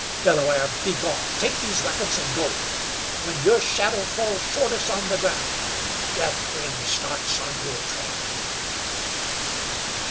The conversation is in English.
"Delaware, begone! Take these weapons an' go. When your shadow falls shortest on the ground, Deathwind starts on your trail."